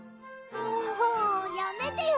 もうやめてよ